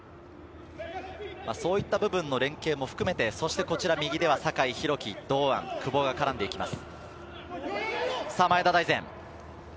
そういった部分の連係も含めて、そして右では酒井宏樹、久保、堂安が絡んでいきます。